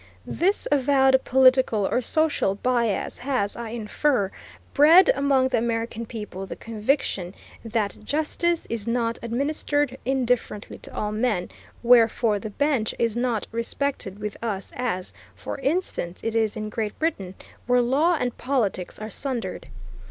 This avowed political or social bias has, I infer, bred among the American people the conviction that justice is not administered indifferently to all men, wherefore the bench is not respected with us as, for instance, it is in Great Britain, where law and politics are sundered.